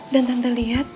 dan tante lihat